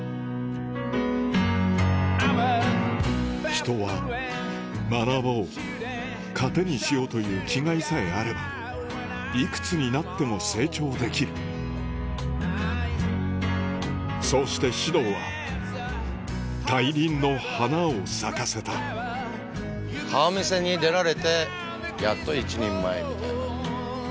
人は学ぼう糧にしようという気概さえあればいくつになっても成長できるそうして獅童は大輪の花を咲かせた「顔見世」に出られてやっと一人前みたいな。